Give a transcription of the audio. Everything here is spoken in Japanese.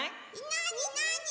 なになに？